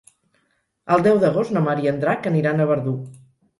El deu d'agost na Mar i en Drac aniran a Verdú.